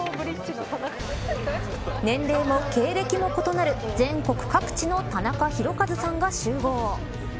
年齢も経歴も異なる全国各地のタナカヒロカズさんが集合。